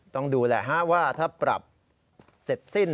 ต้องดูแหละว่าถ้าปรับเสร็จสิ้น